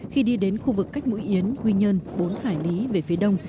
khi đi đến khu vực cách mũi yến quy nhơn bốn hải lý về phía đông